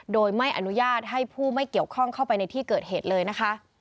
โดยไม่อนุญาตให้ผู้ไม่เกี่ยวข้องเข้าไปในที่เกิดเหตุเลยนะคะ